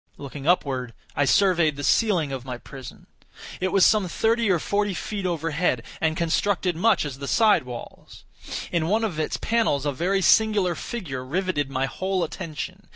Looking upward, I surveyed the ceiling of my prison. It was some thirty or forty feet overhead, and constructed much as the side walls. In one of its panels a very singular figure riveted my whole attention.